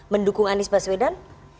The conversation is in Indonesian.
mendukung anies baswedan